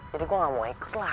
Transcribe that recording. gue gak mau ikut lah